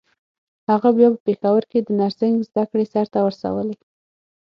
هغه بيا په پېښور کې د نرسنګ زدکړې سرته ورسولې.